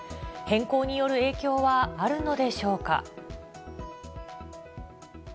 変更による影響はあるのでしょうか。